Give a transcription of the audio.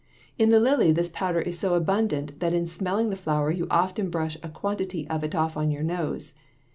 In the lily this powder is so abundant that in smelling the flower you often brush a quantity of it off on your nose.